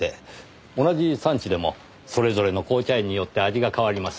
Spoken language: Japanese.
同じ産地でもそれぞれの紅茶園によって味が変わります。